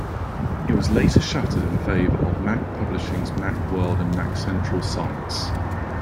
It was later shuttered in favor of Mac Publishing's Macworld and MacCentral sites.